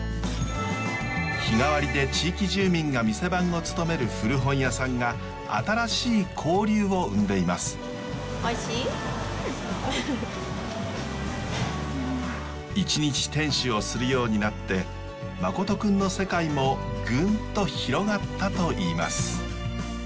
日替わりで地域住民が店番を務める古本屋さんが１日店主をするようになって誠くんの世界もぐんと広がったといいます。